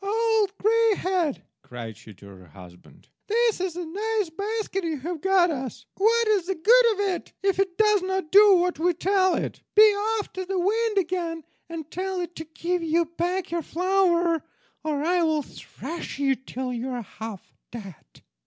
"Old Greyhead," cried she to her husband, "this is a nice basket you have got us! What is the good of it if it does not do what we tell it? Be off to the wind again, and tell it to give you back your flour, or I will thrash you till you are half dead."